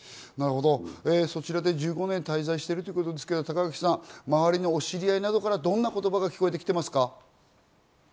そちらで１５年滞在しているということですが、周りのお知り合いなどからどんな言葉が聞こえてきていますか？